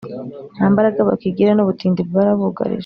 nta mbaraga bakigira, n’ubutindi bwarabugarije,